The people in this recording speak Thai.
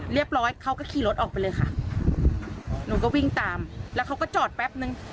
เรียบร้อยเขาก็ขี่รถออกไปเลยค่ะหนูก็วิ่งตามแล้วเขาก็จอดแป๊บนึง